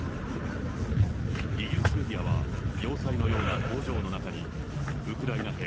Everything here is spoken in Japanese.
イギリスメディアは、要塞のような工場の中に、ウクライナ兵